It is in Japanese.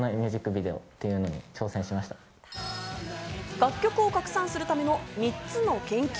楽曲を拡散させるための３つの研究。